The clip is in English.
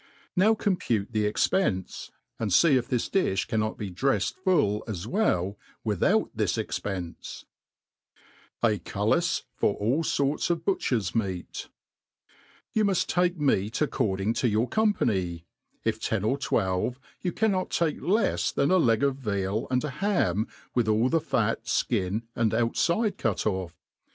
Now compute the expence,' and fee if this dilh cannot be drefled full as well v/ithout tliis expence, f A Cullhfor all Soru of Butchers McaU YQU muft take meat according to your company ; if ten or twelve, you cannot take lefs than a leg of veal and a ham, with all the fat, fkin, and outfide cut ofF.